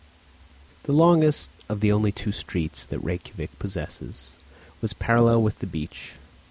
The longest of the only two streets that Rejkiavik possesses was parallel with the beach.